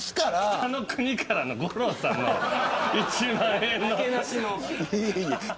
北の国からの五郎さんの１万円みたいな。